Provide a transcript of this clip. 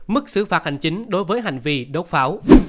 mức xử phạt hành chính đối với hành vi đốt pháo